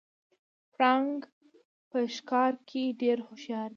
پړانګ په ښکار کې ډیر هوښیار دی